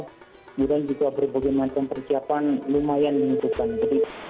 kemudian juga berbagai macam persiapan lumayan menutupkan jadi